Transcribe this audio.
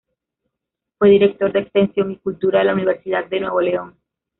Fue director de Extensión y Cultura de la Universidad de Nuevo León.